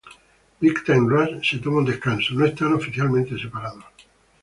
Big Time Rush se toma un descanso, no están oficialmente separados.